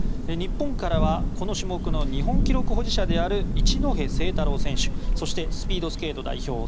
日本からはこの種目の日本記録保持者である一戸誠太郎選手そしてスピードスケート代表